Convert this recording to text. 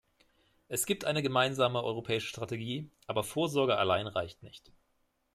Es gibt eine gemeinsame europäische Strategie, aber Vorsorge allein reicht nicht.